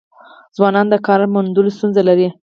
ځوانان د کار موندلو ستونزه لري.